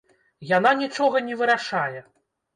Яна нічога не вырашае.